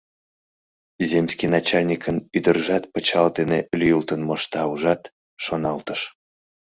«Земский начальникын ӱдыржат пычал дене лӱйылтын мошта, ужат», — шоналтыш...